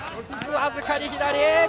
僅かに左！